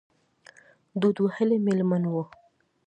دود وهلې مې لمن وي